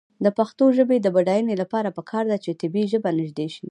د پښتو ژبې د بډاینې لپاره پکار ده چې طبعي ژبه نژدې شي.